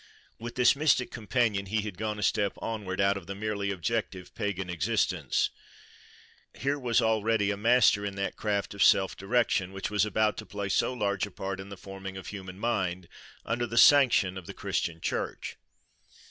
With this mystic companion he had gone a step onward out of the merely objective pagan existence. Here was already a master in that craft of self direction, which was about to play so large a part in the forming of human mind, under the sanction of the Christian church.